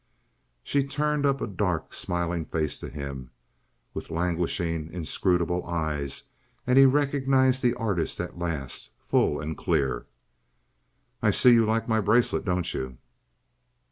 She turned up a dark, smiling face to him, with languishing, inscrutable eyes, and he recognized the artist at last, full and clear. "I see you like my bracelet, don't you?"